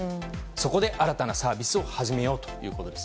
そこで新たなサービスを始めようということです。